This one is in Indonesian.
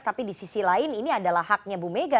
tapi di sisi lain ini adalah haknya bu mega